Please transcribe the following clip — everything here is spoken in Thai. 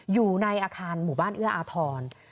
อยู่ในอาคารหมู่บ้านเอื้ออาทร